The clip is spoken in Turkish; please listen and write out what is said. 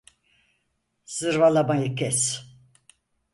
Zırvalamayı kes!